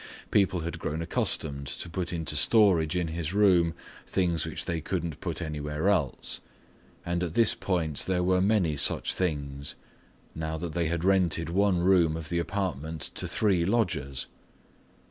People had grown accustomed to put into storage in his room things which they couldn't put anywhere else, and at this point there were many such things, now that they had rented one room of the apartment to three lodgers.